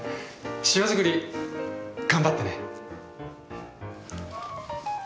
塩作り頑張ってね。